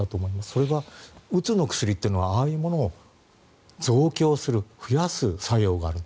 それは、うつの薬というのはああいうものを増強する増やす作用がある。